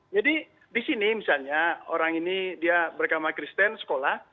jadi di sini misalnya orang ini beragama kristen sekolah